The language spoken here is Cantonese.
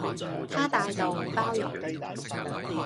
她大道、包容